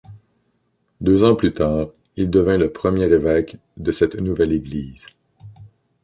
Deux ans plus tard, il devint le premier évêque de cette nouvelle église.